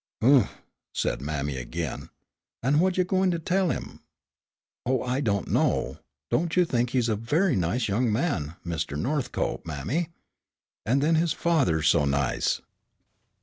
"Oomph," said mammy again, "an' whut you gwine to tell him?" "Oh, I don't know. Don't you think he's a very nice young man, Mr. Northcope, mammy? And then his father's so nice."